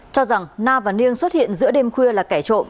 cho rằng na và nig xuất hiện giữa đêm khuya là kẻ trộm